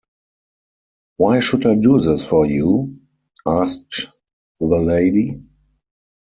"Why should I do this for you?" asked the lady.